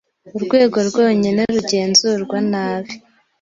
urwego rwonyine rugenzurwa nabi